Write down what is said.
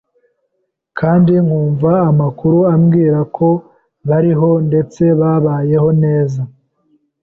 kandi nkumva amakuru ambwira ko bariho ndetse babayeho neza.